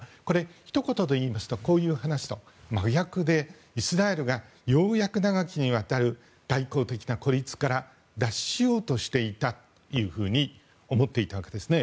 ひと言で言いますとこういう話と真逆でイスラエルがようやく長きにわたる外交的な孤立から脱しようとしていたと思っていたわけですね。